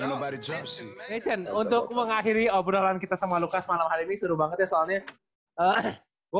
oke chen untuk mengakhiri obrolan kita sama lukas malam hari ini seru banget ya soalnya